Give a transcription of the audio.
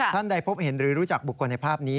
ท่านใดพบเห็นหรือรู้จักบุคคลในภาพนี้